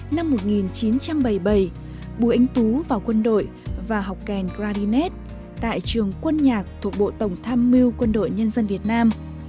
năm một nghìn chín trăm bảy mươi bảy bùi anh tú và quân đội và học kèn gradinet tại trường quân nhạc thuộc bộ tổng tham mưu quân đội nhân dân việt nam